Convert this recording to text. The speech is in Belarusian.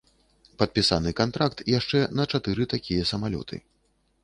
Падпісаны кантракт яшчэ на чатыры такія самалёты.